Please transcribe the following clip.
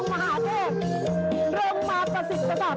พร้อมรับแม่ฟ้าสวดน้องถวายได้องค์มหาเทศ